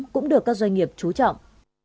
cũng được các doanh nghiệp trú trọng